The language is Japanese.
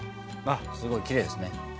あっすごいきれいですね。